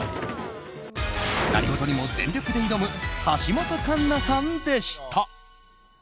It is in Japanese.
何事にも全力で挑む橋本環奈さんでした。